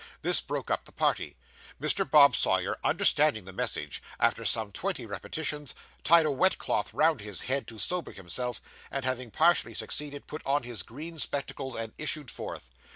This broke up the party. Mr. Bob Sawyer, understanding the message, after some twenty repetitions, tied a wet cloth round his head to sober himself, and, having partially succeeded, put on his green spectacles and issued forth.